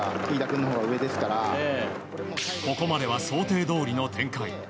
ここまでは、想定どおりの展開。